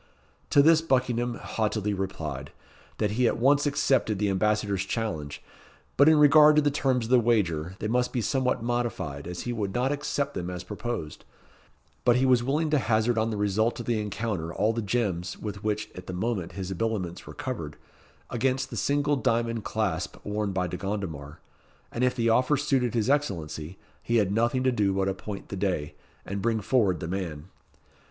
To this Buckingham haughtily replied, that he at once accepted the Ambassador's challenge; but in regard to the terms of the wager, they must be somewhat modified, as he could not accept them as proposed; but he was willing to hazard on the result of the encounter all the gems, with which at the moment his habiliments were covered, against the single diamond clasp worn by De Gondomar; and if the offer suited his Excellency, he had nothing to do but appoint the day, and bring forward the man.